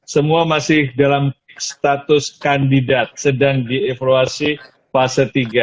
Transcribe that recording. semua masih dalam status kandidat sedang dievaluasi fase tiga